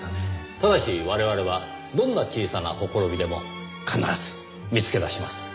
ただし我々はどんな小さなほころびでも必ず見つけ出します。